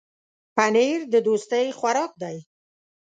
پنېر د دوستۍ خوراک دی.